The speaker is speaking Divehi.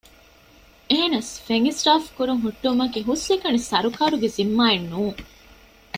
އެހެނަސް ފެން އިސްރާފުކުރުން ހުއްޓުވުމަކީ ހުސްއެކަނި ސަރުކާރުގެ ޒިންމާއެއް ނޫން